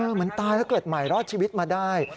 เหมือนตายแล้วเกิดใหม่รอดชีวิตมาได้